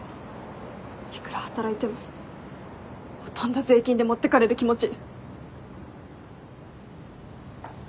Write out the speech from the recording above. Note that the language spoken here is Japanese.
いくら働いてもほとんど税金で持ってかれる気持ち。